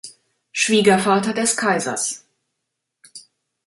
Schwiegervater des Kaisers.